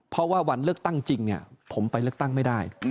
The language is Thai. เพราะว่าวันเลือกตั้งจริงผมไปเลือกตั้งไม่ได้